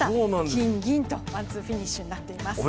金、銀とワンツーフィニッシュになっています。